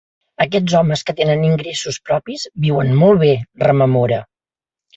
Aquests homes que tenen ingressos propis viuen molt bé, rememora.